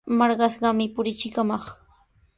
Marqashqami purichikamaq.